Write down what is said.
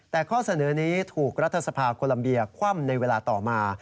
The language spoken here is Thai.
แต่ข้อเสนอนี้ถูกรัฐสภาโคลัมเบียคว่ำในเวลาต่อมา